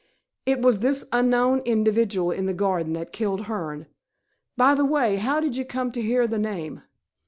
It was this unknown individual in the garden that killed Hearne. By the way, how did you come to hear the name?"